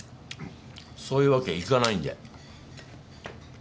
そういうわけいかないんで。